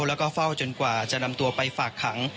และเฝ้าจนกว่าจะนำไปฝากขัง